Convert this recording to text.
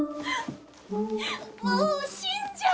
もう死んじゃう！